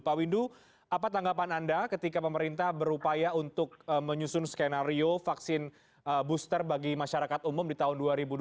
pak windu apa tanggapan anda ketika pemerintah berupaya untuk menyusun skenario vaksin booster bagi masyarakat umum di tahun dua ribu dua puluh